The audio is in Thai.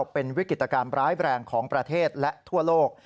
เป็นวิกฤตกรรมร้ายแบรนด์ของประเทศและทั่วโลก